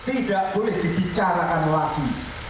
tidak boleh dibicarakan lagi